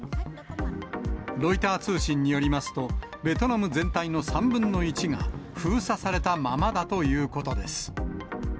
ロイター通信によりますと、ベトナム全体の３分の１が、封鎖されたままだということです。